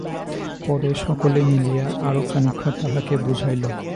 পরে সকলে মিলিয়া আরও খানিকক্ষণ তাহাকে বুঝাইল।